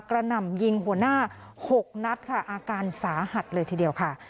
หน่ำยิงหัวหน้า๖นัดค่ะอาการสาหัสเลยทีเดียวค่ะ